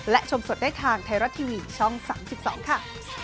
และชมสดได้ทางไทยรัฐทีวีช่อง๓๒ค่ะ